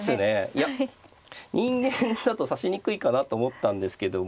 いや人間だと指しにくいかなと思ったんですけども。